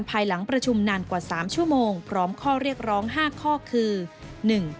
ภายหลังประชุมนานกว่าสามชั่วโมงพร้อมข้อเรียกร้อง๕ข้อคือ